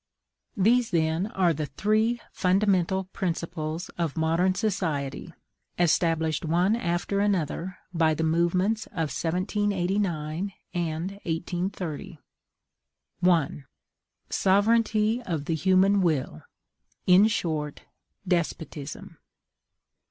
These, then, are the three fundamental principles of modern society, established one after another by the movements of 1789 and 1830: 1. SOVEREIGNTY OF THE HUMAN WILL; in short, DESPOTISM.